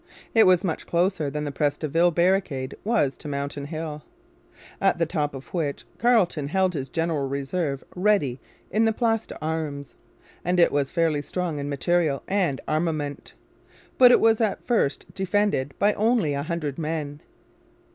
It was much closer than the Pres de Ville barricade was to Mountain Hill, at the top of which Carleton held his general reserve ready in the Place d'Armes; and it was fairly strong in material and armament. But it was at first defended by only a hundred men.